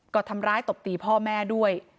ก็ทำร้ายตบตีพ่อแม่ด้วย